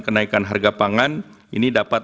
kenaikan harga pangan ini dapat